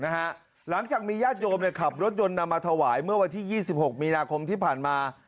หลังจากมีญาติโยมขับรถยนต์นำมาถวายเมื่อวันที่๒๖มีนาคมที่ผ่านมา